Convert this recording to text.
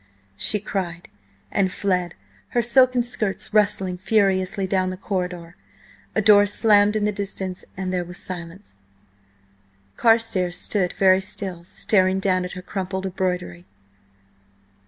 she cried, and fled, her silken skirts rustling furiously down the corridor. A door slammed in the distance, and there was silence. Carstares stood very still, staring down at her crumpled broidery.